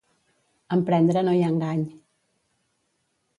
En prendre no hi ha engany.